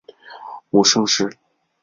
母盛氏。